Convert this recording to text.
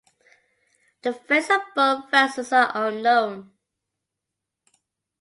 The fates of both vessels are unknown.